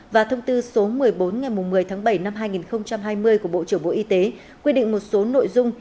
và thông tư số một mươi bốn ngày một mươi tháng bảy năm hai nghìn hai mươi của bộ trưởng bộ y tế quy định một số nội dung